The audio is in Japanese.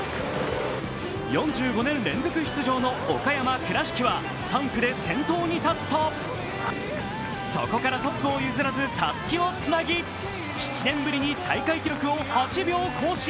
４５年連続出場の岡山・倉敷は３区で先頭に立つとそこからトップを譲らずたすきをつなぎ７年ぶりに大会記録を８秒更新。